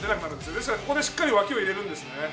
ですからここでしっかりわきを入れるんですね。